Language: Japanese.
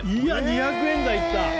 ２００円台いった！